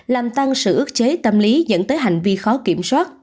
làm tăng sự ước chế tâm lý dẫn tới hành vi khó kiểm soát